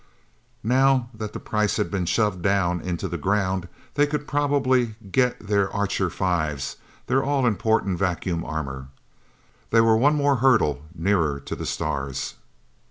Now that the price had been shoved down into the ground, they could probably get their Archer Fives their all important vacuum armor. They were one more hurdle nearer to the stars.